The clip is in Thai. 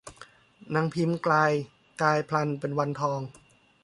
นางพิมพ์กลายกายพลันเป็นวันทอง